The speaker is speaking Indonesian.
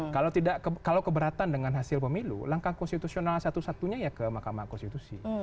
kalau tidak kalau keberatan dengan hasil pemilu langkah konstitusional satu satunya ya ke mahkamah konstitusi